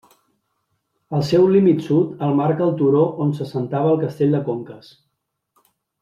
El seu límit sud el marca el turó on s'assentava el castell de Conques.